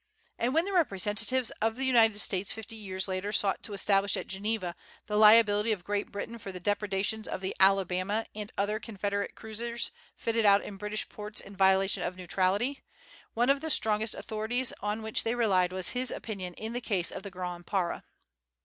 And when the representatives of the United States fifty years later sought to establish at Geneva the liability of Great Britain for the depredations of the "Alabama" and other Confederate cruisers fitted out in British ports in violation of neutrality, one of the strongest authorities on which they relied was his opinion in the case of the "Gran Para."